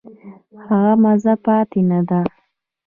هغه مزه پاتې نه ده.